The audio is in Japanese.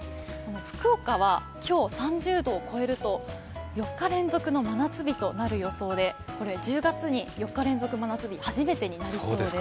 福岡は今日３０度を超えると４日連続の真夏日となる予想で１０月に４日連続真夏日、初めてだそうです。